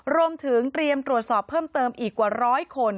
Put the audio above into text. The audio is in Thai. รวมถึงเตรียมตรวจสอบเพิ่มเติมอีกกว่าร้อยคน